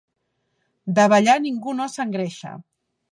De ballar ningú no s'engreixa.